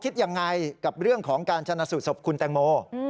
คิดยังไงกับเรื่องของการชนะสูตรศพคุณแตงโม